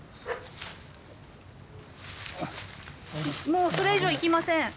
もうそれ以上行きません。